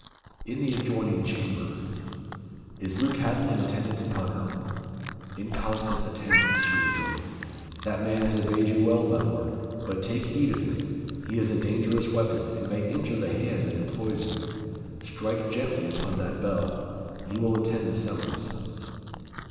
"In the adjoining chamber." "Is Luke Hatton in attendance upon her?" "In constant attendance," she rejoined. "That man has obeyed you well, my Lord. But take heed of him: he is a dangerous weapon, and may injure the hand that employs him. Strike gently upon that bell. He will attend the summons."